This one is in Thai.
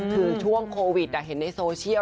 คือช่วงโควิดเห็นในโซเชียล